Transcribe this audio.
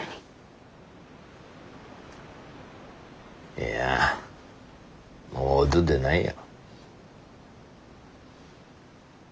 いやもう音出ないよ。